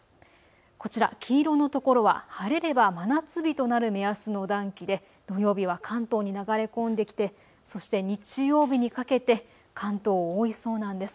こちら黄色の所は晴れれば真夏日となる目安の暖気で土曜日は関東に流れ込んできてそして日曜日にかけて関東を覆いそうなんです。